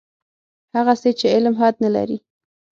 هغسې چې علم حد نه لري.